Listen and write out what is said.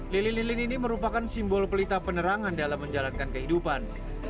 lilin lilin ini merupakan simbol pelita penerangan dalam menjalankan kehidupan